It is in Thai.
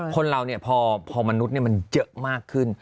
คนเราเนี่ยพอมนุษย์มันเยอะมากขึ้น